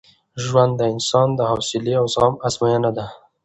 ژوند د انسان د حوصلې او زغم ازموینه ده.